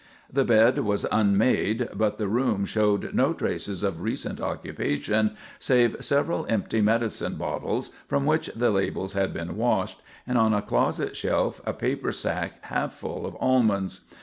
The bed was unmade, but the room showed no traces of recent occupation save several empty medicine bottles from which the labels had been washed, and on a closet shelf a paper sack half full of almonds.